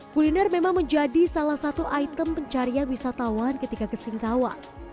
kuliner memang menjadi salah satu item pencarian wisatawan ketika ke singkawang